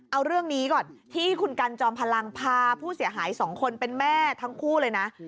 เอาเรื่องนี้ก่อนที่คุณกันจอมพลังพาผู้เสียหายสองคนเป็นแม่ทั้งคู่เลยนะ